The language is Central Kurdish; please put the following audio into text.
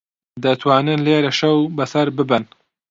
دەتوانن لێرە شەو بەسەر ببەن.